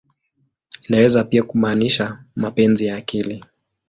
Inaweza pia kumaanisha "mapenzi ya akili.